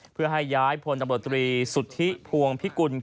เพื่อให้ย้ายพลตำรวจตรีสุทธิพวงพิกุล